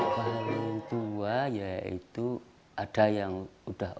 paling tua yaitu ada yang sudah tua